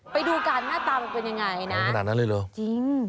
ไปดูกันหน้าตามันเป็นอย่างไรนะจริงนั่นขนาดนั้นเลยเหรอ